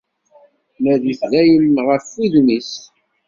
Nadit dayem ɣef wudem-is!